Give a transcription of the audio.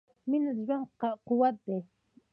• مینه د ژوند قوت دی.